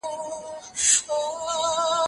د خلکو شتمنې او تولیدي فابریکې سوځول شوې.